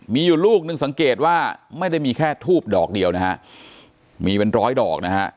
มีอยู่ลูกหนึ่งสังเกตว่าไม่ได้มีแค่ทูบดอกเดียวนะฮะมีเป็นร้อยดอกนะฮะ